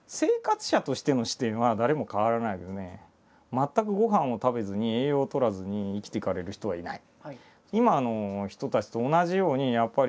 全くごはんを食べずに栄養をとらずに生きていかれる人はいない。